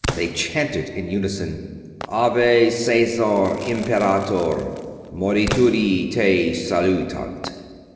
They chanted in unison: "Ave, Caesar Imperator! Morituri te salutant!"